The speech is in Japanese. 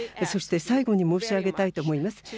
そして最後に申し上げたいと思います。